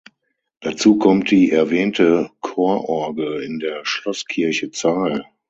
Dazu kommt die erwähnte Chororgel in der Schlosskirche Zeil.